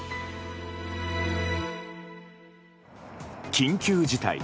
緊急事態